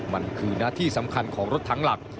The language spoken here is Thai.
มันคือหน้าที่สำคัญของรถทั้งหลัก